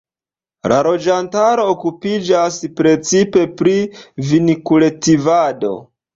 La loĝantaro okupiĝas precipe pri vinkultivado.